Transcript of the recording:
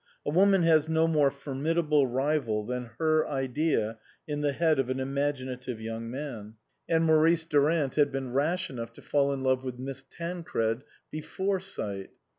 A woman has no more formidable rival than her idea in the head of an imaginative young man, and Maurice Durant had been rash enough to fall in love with Miss Tancred before sight.